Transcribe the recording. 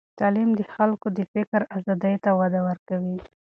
تعلیم د خلکو د فکر آزادۍ ته وده ورکوي.